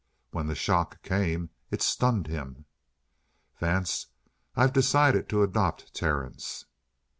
When the shock came, it stunned him. "Vance, I've decided to adopt Terence!"